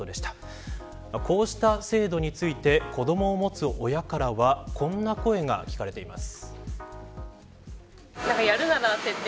こうした制度について子どもを持つ親からはこんな声が聞かれています。